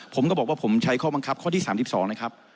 ผมก็บอกว่าผมใช้ข้อบังคับข้อที่๓๒นะครับ